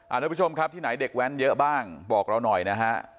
ทุกผู้ชมครับที่ไหนเด็กแว้นเยอะบ้างบอกเราหน่อยนะฮะ